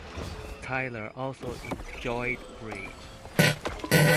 Tylor also enjoyed bridge.